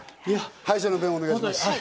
敗者の弁、お願いします。